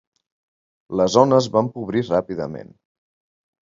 La zona es va empobrir ràpidament.